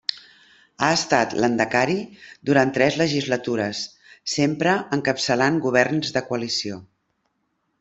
Ha estat Lehendakari durant tres legislatures, sempre encapçalant governs de coalició.